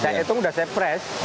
saya hitung udah saya press